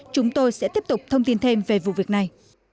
chúng tôi sẽ tiếp tục thông tin thêm về vụ việc này